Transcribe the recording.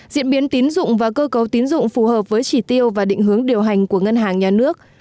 diễn biến tín dụng và cơ cấu tín dụng phù hợp với chỉ tiêu và định hướng điều hành của ngân hàng nhà nước